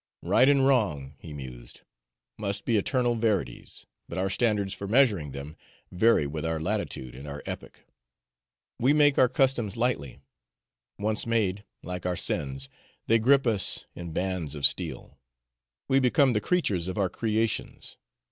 "Right and wrong," he mused, "must be eternal verities, but our standards for measuring them vary with our latitude and our epoch. We make our customs lightly; once made, like our sins, they grip us in bands of steel; we become the creatures of our creations.